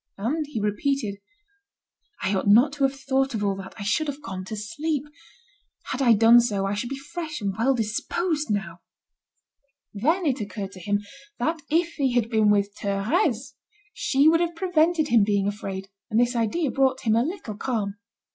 And he repeated: "I ought not to have thought of all that, I should have gone to sleep. Had I done so, I should be fresh and well disposed now." Then it occurred to him that if he had been with Thérèse, she would have prevented him being afraid, and this idea brought him a little calm.